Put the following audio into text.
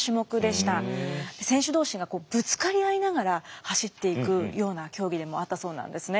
選手同士がぶつかり合いながら走っていくような競技でもあったそうなんですね。